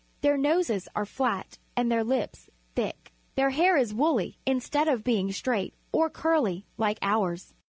Their noses are flat and their lips thick. Their hair is woolh', instead of being straight or curly like ours.